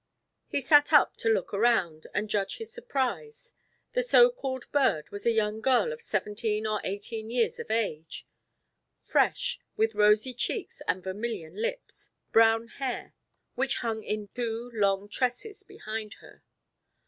He sat up to look around, and judge his surprise; the so called bird was a young girl of seventeen or eighteen years of age; fresh, with rosy cheeks and vermilion lips, brown hair, which hung in two long tresses behind her.